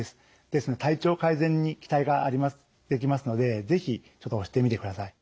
ですので体調改善に期待ができますので是非ちょっと押してみてください。